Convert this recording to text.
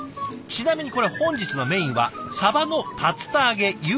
ちなみにこれ本日のメインはサバの竜田揚げユーリンチーソース。